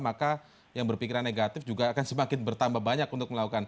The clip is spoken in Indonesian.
maka yang berpikiran negatif juga akan semakin bertambah banyak untuk melakukan